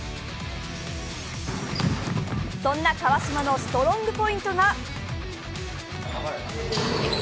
そんな川島のストロングポイントが。